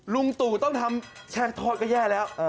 ลุงตู่ต้องทำแช่งทอดก็แย่แล้ว